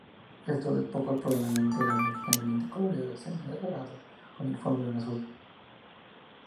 Estos despojos probablemente eran originariamente coloreados en dorado, con el fondo en azul.